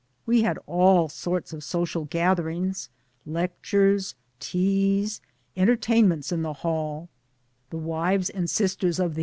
We had all sorts of social gatherings, lectures, teas, enter tainments in the Hall the wives and sisters of the T34 MY DAYS AND.